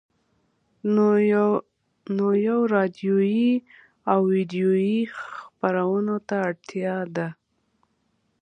نويو راډيويي او ويډيويي خپرونو ته اړتيا ده.